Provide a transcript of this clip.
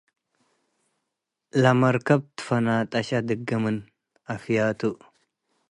ለመርከብ ትፈናጠሻ - ድጌ ምን አፍያቱ